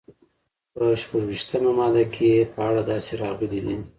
په شپږویشتمه ماده کې یې په اړه داسې راغلي دي.